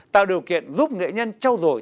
tạo điều kiện giúp nghệ nhân trao dổi